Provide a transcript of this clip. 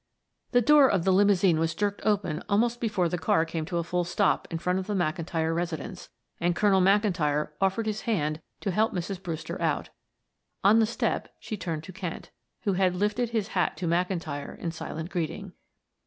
The door of the limousine was jerked open almost before the car came to a full stop in front of the McIntyre residence, and Colonel McIntyre offered his hand to help Mrs. Brewster out. On the step she turned to Kent, who had lifted his hat to McIntyre in silent greeting.